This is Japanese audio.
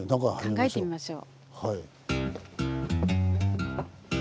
考えてみましょう。